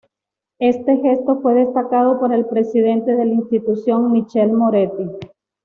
Éste gesto fue destacado por el presidente de la institución, Michel Moretti.